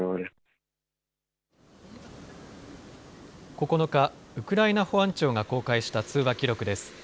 ９日、ウクライナ保安庁が公開した通話記録です。